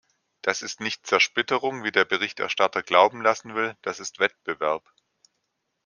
Das ist nicht Zersplitterung, wie der Berichterstatter glauben lassen will, das ist Wettbewerb.